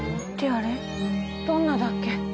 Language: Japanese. あれどんなだっけ？